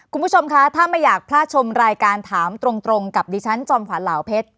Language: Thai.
คุณผู้ชมคะถ้าไม่อยากพลาดชมรายการถามตรงกับดิฉันจอมขวานเหล่าเพชร